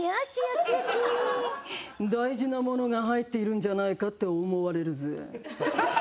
大事なものが入っているんじゃないかって思われるぜぇ。